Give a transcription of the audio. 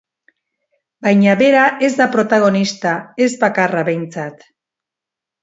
Baina bera ez da protagonista, ez bakarra behintzat.